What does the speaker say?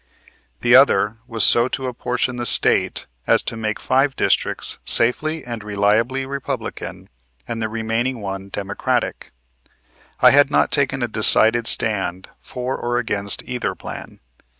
The other was so to apportion the State as to make five districts safely and reliably Republican and the remaining one Democratic. I had not taken a decided stand for or against either plan.